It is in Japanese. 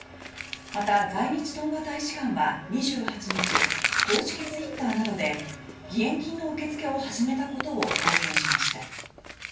また、在日トンガ大使館は２８日公式ツイッターなどで義援金の受け付けを始めたことを公表しました。